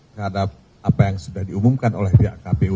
terhadap apa yang sudah diumumkan oleh pihak kpu